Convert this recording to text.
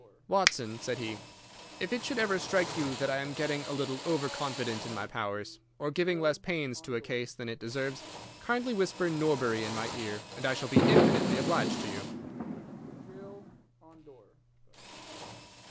"Watson," said he, "if it should ever strike you that I am getting a little over confident in my powers, or giving less pains to a case than it deserves, kindly whisper 'Norbury' in my ear, and I shall be infinitely obliged to you."